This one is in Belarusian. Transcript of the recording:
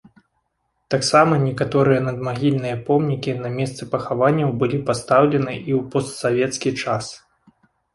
Таксама, некаторыя надмагільныя помнікі на месцы пахаванняў былі пастаўлены і ў постсавецкі час.